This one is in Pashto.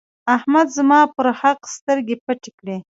احمد زما پر حق سترګې پټې کړې.